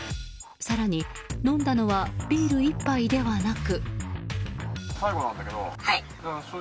更に、飲んだのはビール１杯ではなく。